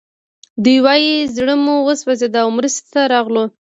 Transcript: دوی وايي زړه مو وسوځېد او مرستې ته راغلو